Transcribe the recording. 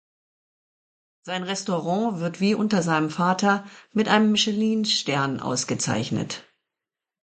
Sein Restaurant wird wie unter seinem Vater mit einem Michelinstern ausgezeichnet.